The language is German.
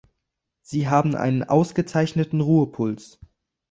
Sie haben einen ausgezeichneten Ruhepuls.